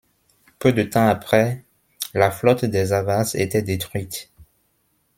Peu de temps après, la flotte des Avars était détruite.